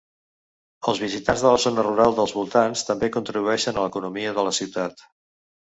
Els visitants de la zona rural dels voltants també contribueixen a l'economia de la ciutat.